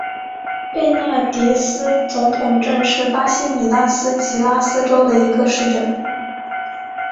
贝纳迪斯总统镇是巴西米纳斯吉拉斯州的一个市镇。